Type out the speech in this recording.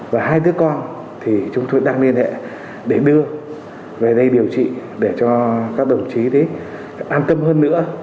và hai đứa con thì chúng tôi đang liên hệ để đưa về đây điều trị để cho các đồng chí an tâm hơn nữa